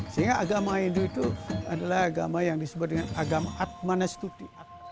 sehingga agama hindu itu adalah agama yang disebut dengan agama atmanastuti